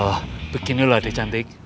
ah beginilah deh cantik